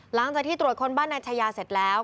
หลังจากที่ตรวจคนบ้านนายชายาเสร็จแล้ว